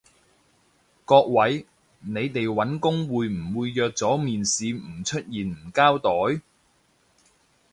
各位，你哋搵工會唔會約咗面試唔出現唔交代？